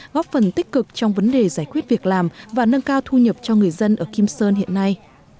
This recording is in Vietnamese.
góp phần tích cực trong vấn đề giải quyết việc làm và nâng cao thu nhập cho người dân ở kim sơn hiện nay